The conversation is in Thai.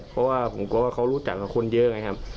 เพราะว่าผมกลัวว่าเขารู้จักกับคนเยอะไงครับ